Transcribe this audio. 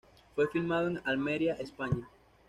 Fue filmado en Almería, España.